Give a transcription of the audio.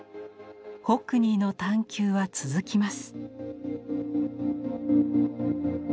ホックニーの探求は続きます。